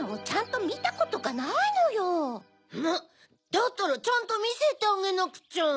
だったらちゃんとみせてあげなくちゃ。